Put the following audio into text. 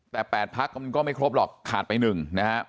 แต่แปดพักร่วมมันก็ไม่ครบหรอกขาดไปหนึ่งนะฮะ